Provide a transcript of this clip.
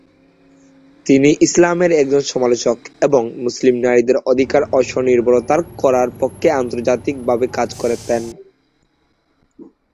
তিনি ইসলামের একজন সমালোচক এবং মুসলিম নারীদের অধিকার ও স্ব-নির্ভরতার করার পক্ষে আন্তর্জাতিক ভাবে কাজ করতেন।